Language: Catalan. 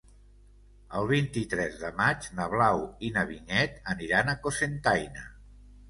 El vint-i-tres de maig na Blau i na Vinyet aniran a Cocentaina.